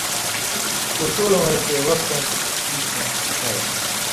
اُصولہ وَیں تے وختَیں پاپندی کرؤں سِڇھیائ۔